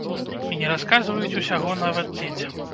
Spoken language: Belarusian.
І не расказваюць усяго нават дзецям.